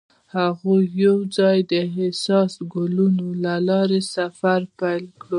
هغوی یوځای د حساس ګلونه له لارې سفر پیل کړ.